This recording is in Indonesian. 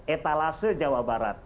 etalase jawa barat